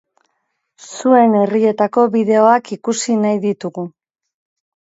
Zuen herrietako bideoak ikusi nahi ditugu.